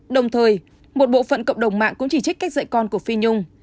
đồng thời một bộ phận cộng đồng mạng cũng chỉ trích cách dạy con của phi nhung